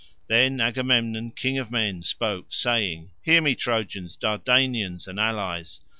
Then Agamemnon, king of men, spoke, saying, "Hear me, Trojans, Dardanians, and allies.